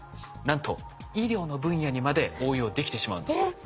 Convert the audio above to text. なんと医療の分野にまで応用できてしまうんです。